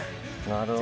なるほど。